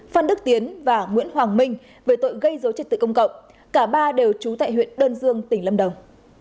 phan đức tiến và nguyễn hoàng minh về tội gây dối trật tự công cộng cả ba đều trú tại huyện đơn dương tỉnh lâm đồng